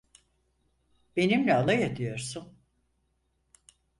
Benimle alay ediyorsun.